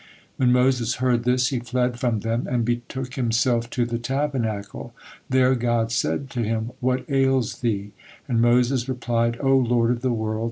When Moses heard this, he fled from them and betook himself to the Tabernacle. There God said to him: "What ails thee?" and Moses replied: "O Lord of the world!